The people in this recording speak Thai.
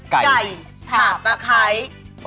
กัยฉาบตะไครครับ